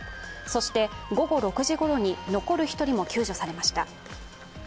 そして、午後６時ごろに残る１人も救助されました。